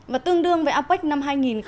và tương đương với apec năm hai nghìn một mươi tám